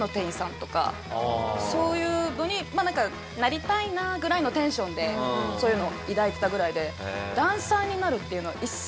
そういうのになんかなりたいなぐらいのテンションでそういうのを抱いてたぐらいでそうなんだ。